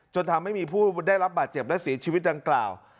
จนทำให้มีผู้ได้รับบาดเจ็บและเสียชีวิตดังกล่าว